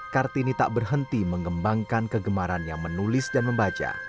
kartini tak berhenti mengembangkan kegemaran yang menulis dan membaca